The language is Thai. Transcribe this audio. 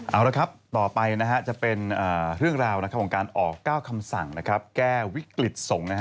เอาละครับต่อไปจะเป็นเรื่องราวของการออก๙คำสั่งแก้วิกฤตส่งนะฮะ